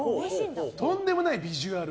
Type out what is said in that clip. とんでもないビジュアル。